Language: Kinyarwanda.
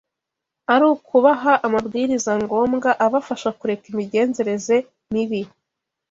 ari ukubaha amabwiriza ngombwa abafasha kureka imigenzereze mibi